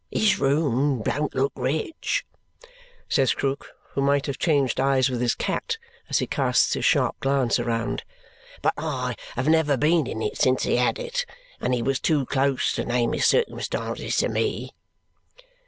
His room don't look rich," says Krook, who might have changed eyes with his cat, as he casts his sharp glance around. "But I have never been in it since he had it, and he was too close to name his circumstances to me."